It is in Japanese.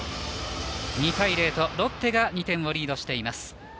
２対０とロッテが２点をリードしています。